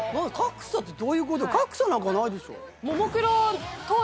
格差なんかないでしょ。